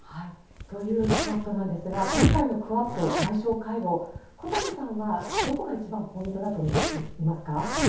というクアッドなんですが今回のクアッド外相会合小谷さんはどこが一番ポイントだと見ていますか？